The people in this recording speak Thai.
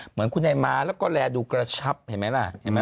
เหมือนคุณไอม้าแล้วก็แหลดูกระชับเห็นไหมล่ะ